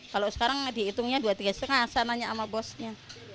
kalau sekarang dihitungnya rp dua puluh tiga lima ratus saya nanya sama bosnya